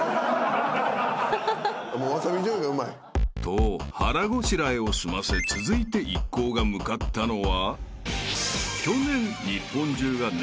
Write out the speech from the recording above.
［と腹ごしらえを済ませ続いて一行が向かったのは］